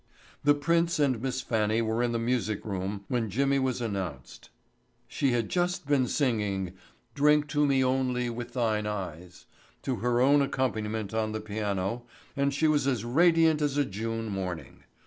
The prince and Miss Fannie were in the music room when Jimmy was announced. She had just been singing "Drink to Me Only With Thine Eyes" to her own accompaniment on the piano and she was as radiant as a June morning.